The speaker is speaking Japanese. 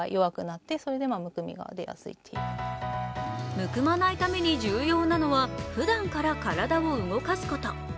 むくまないために重要なのはふだんから体を動かすこと。